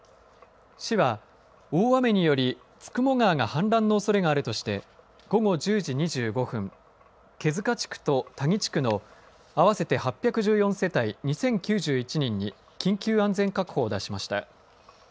市は、大雨により九十九川が氾濫のおそれがあるとして午後１０時２５分毛塚地区と田木地区の合わせて８１４世帯２０９１人に緊急安全確保を出しました。